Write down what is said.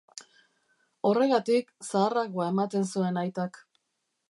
Horregatik, zaharragoa ematen zuen aitak.